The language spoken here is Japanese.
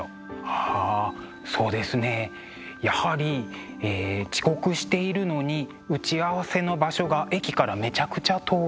はあそうですねやはりえ遅刻しているのに打ち合わせの場所が駅からめちゃくちゃ遠い。